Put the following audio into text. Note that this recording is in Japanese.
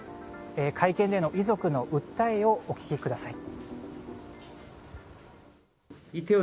会見での遺族の訴えをお聞きください。